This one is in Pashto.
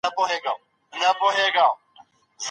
و دي ژړوی .